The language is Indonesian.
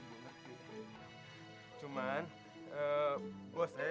tidak ada kata berhenti